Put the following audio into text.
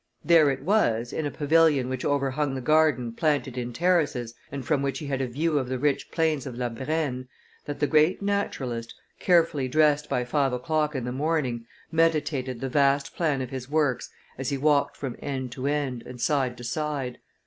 There it was, in a pavilion which overhung the garden planted in terraces, and from which he had a view of the rich plains of La Brenne, that the great naturalist, carefully dressed by five o'clock in the morning, meditated the vast plan of his works as he walked from end to end and side to side.